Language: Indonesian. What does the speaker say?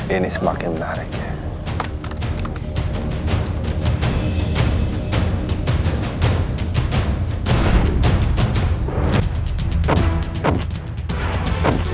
ini semakin menarik ya